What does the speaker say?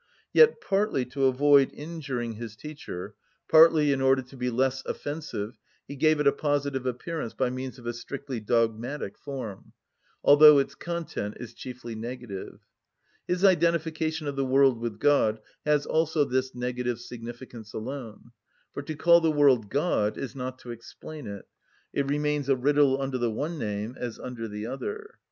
Yet partly to avoid injuring his teacher, partly in order to be less offensive, he gave it a positive appearance by means of a strictly dogmatic form, although its content is chiefly negative. His identification of the world with God has also this negative significance alone. For to call the world God is not to explain it: it remains a riddle under the one name as under the other.